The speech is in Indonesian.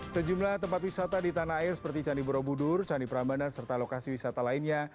sejumlah tempat wisata di tanah air seperti candi borobudur candi prambanan serta lokasi wisata lainnya